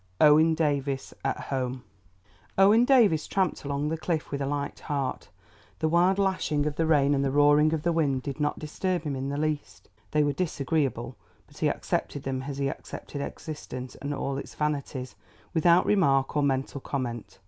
OWEN DAVIES AT HOME Owen Davies tramped along the cliff with a light heart. The wild lashing of the rain and the roaring of the wind did not disturb him in the least. They were disagreeable, but he accepted them as he accepted existence and all its vanities, without remark or mental comment.